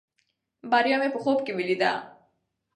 بریا مې په خوب کې ولیده.